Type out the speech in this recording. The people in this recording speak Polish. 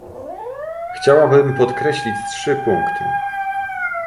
Chciałabym podkreślić trzy punkty